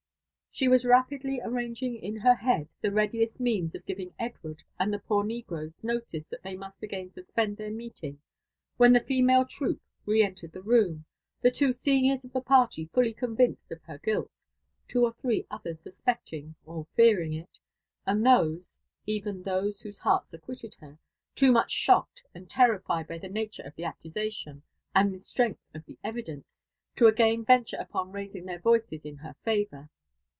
She wai rapidly arranging in her head the readiest means 6f giving Edward and the poor negroes notice that they ioiist again Suspend their fneec^ Ing, whed the female troop re^^ntered the roofn, the tw« ^niota of the party fully convinced of her guilt, two hi three others stiapeeting ok fearing ft, a6d those— even those whose hearta acquitted he^, too much shocked and terrified by the nature df the accusation, and th6 strength of (he evidence, t6 again venture tipen raising their vdcea ill her favour.